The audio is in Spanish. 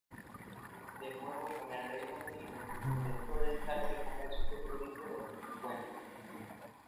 De nuevo en el Reino Unido, intentó dedicarse al comercio petrolífero en Wembley.